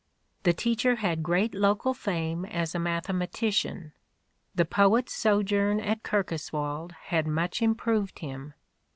... The teacher had great local fame as a mathematician ... (The poet's) sojourn at Kirkoswald had much improved him.